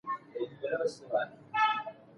تاریخ د راتلونکي نسل لپاره یو هینداره ده.